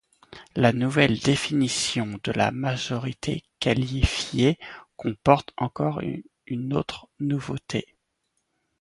La nouvelle définition de la majorité qualifiée comporte encore une autre nouveauté.